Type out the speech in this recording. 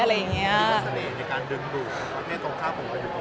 เป็นสนเนคการดึงดูตรงภาพกลบอยู่ตรงไหน